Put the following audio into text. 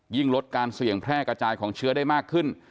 ลดการเสี่ยงแพร่กระจายของเชื้อได้มากขึ้น